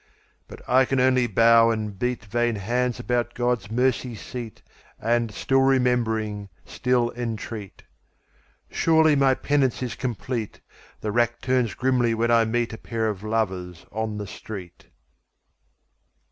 But I can only bow and beatVain hands about God's mercy seat, And, still remembering, still entreat. Surely my penance is complete! The rack turns grimly when I meetA pair of lovers on the street.